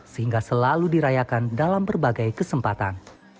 sehingga selalu dirayakan dalam berbagai kesempatan